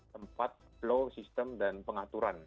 tempat flow sistem dan pengaturan